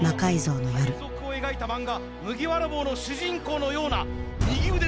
海賊を描いた漫画麦わら帽の主人公のような右腕だけ。